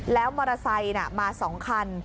แล้วมอเตอร์ไซค์มา๒คัน